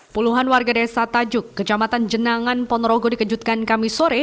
puluhan warga desa tajuk kecamatan jenangan ponorogo dikejutkan kami sore